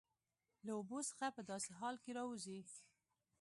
له اوبو څخه په داسې حال کې راوځي